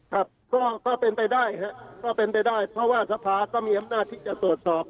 ครับก็เป็นไปได้เพราะว่าสภาต้องมีอำนาจที่จะตรวจสอบ